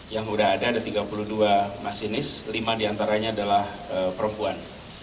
yang sudah ada ada tiga puluh dua masinis lima diantaranya adalah perempuan